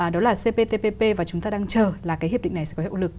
đó là cptpp và chúng ta đang chờ là cái hiệp định này sẽ có hiệu lực